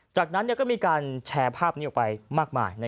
จากนั้นก็มีการแชร์ภาพนี้ออกไปมากมาย